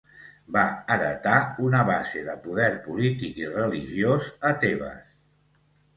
Va heretar una base de poder polític i religiós a Tebes.